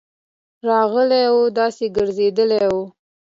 راغلی وو، داسي ګرځيدلی وو: